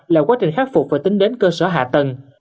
là quá trình khắc phục và tính đến cơ sở hạ tầng